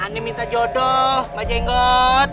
ani minta jodoh mbak jengot